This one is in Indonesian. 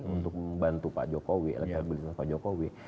untuk membantu pak jokowi